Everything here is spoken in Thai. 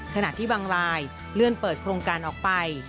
ขณะที่บางลายเลื่อนเปิดโครงการออกไป